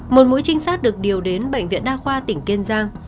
một mũi trinh sát được điều đến bệnh viện đa khoa tỉnh kiên giang